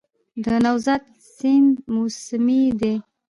د نوزاد سیند موسمي دی